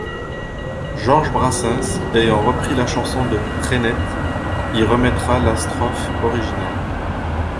Georges Brassens, ayant repris la chanson de Trenet, y remettra la strophe originale.